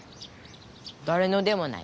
だれのでもない。